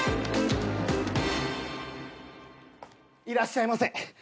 いらっしゃいませ。